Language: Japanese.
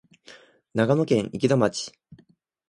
長野県池田町